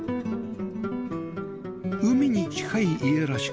海に近い家らしく